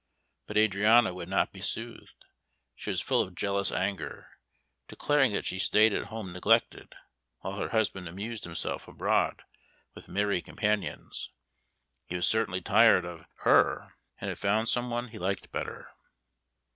But Adriana would not be soothed. She was full of jealous anger, declaring that she stayed at home neglected, while her husband amused himself abroad with merry companions; he was certainly tired of her, and had found some one he liked better.